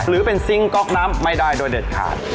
หรือเป็นซิงค์ก๊อกน้ำไม่ได้โดยเด็ดขาด